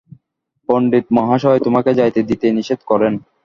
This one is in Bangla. পণ্ডিতমহাশয় তোমাকে যাইতে দিতে নিষেধ করেন।